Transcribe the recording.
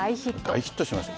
大ヒットしました。